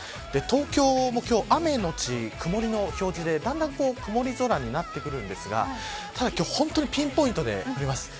東京も今日、雨のち曇りの表示でだんだん曇り空になってくるんですがただ本当に今日ピンポイントで降ります。